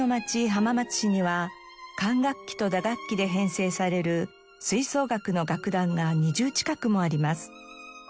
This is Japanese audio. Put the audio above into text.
浜松市には管楽器と打楽器で編成される吹奏楽の楽団が２０近くもあります。